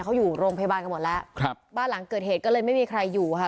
เขาอยู่โรงพยาบาลกันหมดแล้วครับบ้านหลังเกิดเหตุก็เลยไม่มีใครอยู่ค่ะ